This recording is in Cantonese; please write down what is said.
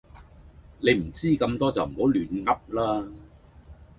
你唔知咁多就唔好亂嗡啦